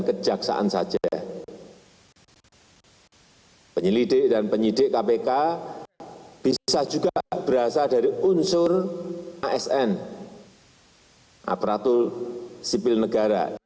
kejaksaan saja penyelidik dan penyidik kpk bisa juga berasal dari unsur asn aparatur sipil negara